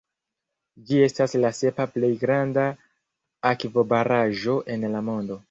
Ĝi estas la sepa plej granda akvobaraĵo en la mondo.